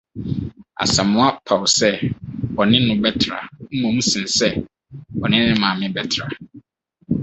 Asamoa paw sɛ ɔne no bɛtra mmom sen sɛ ɔne ne maame bɛtra.